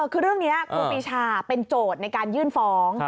คือเรื่องนี้ครูปีชาเป็นโจทย์ในการยื่นฟ้อง